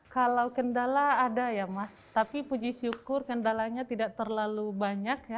kalau kendala ada ya mas tapi puji syukur kendalanya tidak terlalu banyak ya